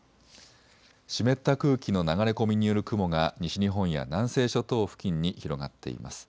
湿った空気の流れ込みによる雲が西日本や南西諸島付近に広がっています。